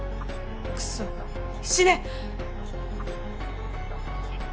クソが。死ね！